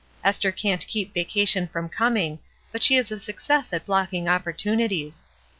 Esther can't keep vacation from coming, but she is a success at blocking opportunities.